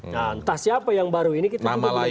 nah entah siapa yang baru ini kita tidak tahu